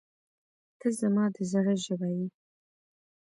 • ته زما د زړه ژبه یې.